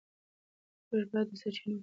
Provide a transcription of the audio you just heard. موږ باید د سرچینو خوندیتوب ته پام وکړو.